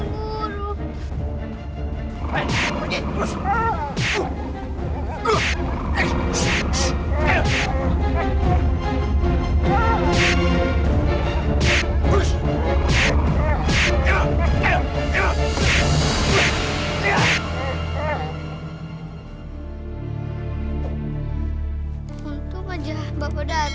maaf aja bapak datang